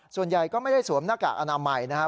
ส่วนใหญ่ก็ไม่ได้สวมหน้ากากอนามัยนะครับ